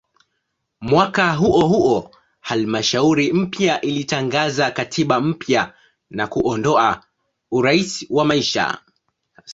Mwaka huohuo halmashauri mpya ilitangaza katiba mpya na kuondoa "urais wa maisha".